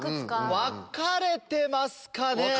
分かれてますね。